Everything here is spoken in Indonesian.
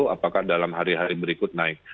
apakah dalam hari hari berikut naik